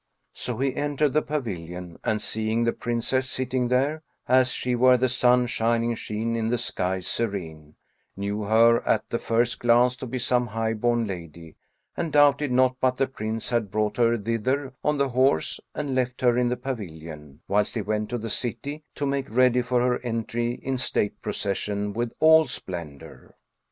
So he entered the pavilion and, seeing the Princess sitting there, as she were the sun shining sheen in the sky serene, knew her at the first glance to be some high born lady and doubted not but the Prince had brought her thither on the horse and left her in the pavilion, whilst he went to the city, to make ready for her entry in state procession with all splendor.